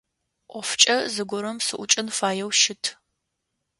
Ӏофкӏэ зыгорэм сыӏукӏэн фаеу щыт.